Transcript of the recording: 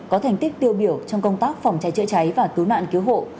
có thành tích tiêu biểu trong công tác phòng cháy chữa cháy và cứu nạn cứu hộ